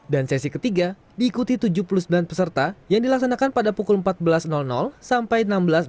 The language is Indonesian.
dan sesi ketiga diikuti tujuh puluh sembilan peserta yang dilaksanakan pada pukul empat belas sampai enam belas